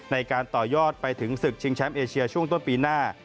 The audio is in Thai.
ในการต่อยอดไปถึงศึกชิงแชมป์เอเชียช่วงต้นปีหน้า